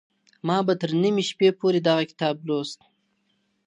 ما به تر نيمي شپې پوري دغه کتاب لوست.